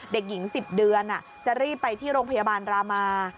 เด็กหญิง๑๐เดือนจะรีบไปที่โรงพยาบาลรามา